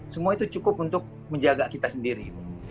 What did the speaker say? semua itu cukup untuk menjaga kita sendiri